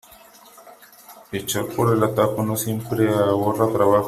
Echar por el atajo no siempre ahorra trabajo.